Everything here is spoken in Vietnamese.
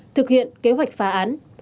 thực hiện kế hoạch phá án